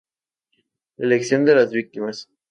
La elección de las víctimas.